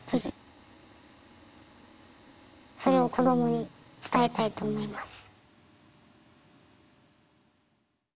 それを子どもに伝えたいと思います。